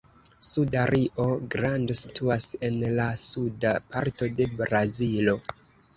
Suda Rio-Grando situas en la suda parto de Brazilo.